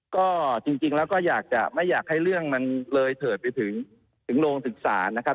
ก็จริงแล้วก็อยากจะไม่อยากให้เรื่องมันเลยเถิดไปถึงโรงศึกษานะครับ